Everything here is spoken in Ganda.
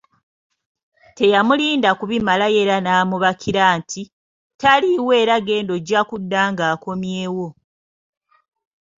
Teyamulinda kubimalayo era n'amubakira nti, taliiwo era genda ojja kudda ng'akomyewo.